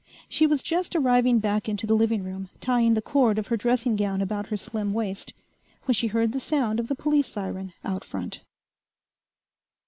She was just arriving back into the living room, tying the cord of her dressing gown about her slim waist, when she heard the sound of the police siren out front.